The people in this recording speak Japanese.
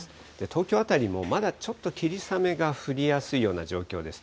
東京辺りもまだちょっと、霧雨が降りやすいような状況です。